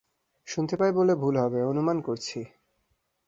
শুনতে পাই বললে ভুল হবে, অনুমান করছি।